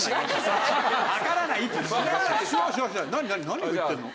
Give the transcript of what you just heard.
何を言ってるの？